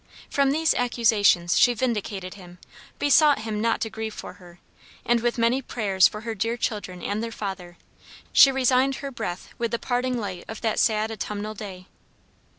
From these accusations she vindicated him, besought him not to grieve for her, and with many prayers for her dear children and their father, she resigned her breath with the parting light of that sad autumnal day.